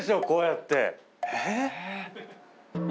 こうやって。